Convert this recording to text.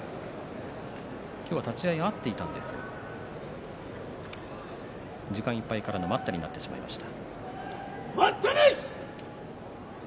今日は立ち合い合っていたんですが時間いっぱいからの待ったになってしまいました。